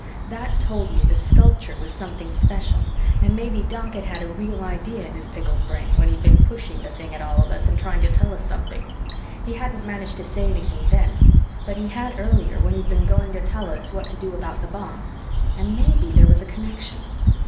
That told me the sculpture was something special and maybe Doc had had a real idea in his pickled brain when he'd been pushing the thing at all of us and trying to tell us something. He hadn't managed to say anything then, but he had earlier when he'd been going to tell us what to do about the bomb, and maybe there was a connection.